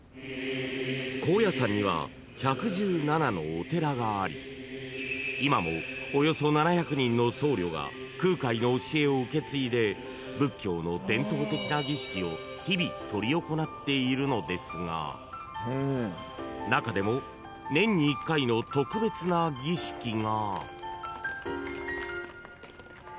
［高野山には１１７のお寺があり今もおよそ７００人の僧侶が空海の教えを受け継いで仏教の伝統的な儀式を日々執り行っているのですが中でも年に一回の特別な儀式が］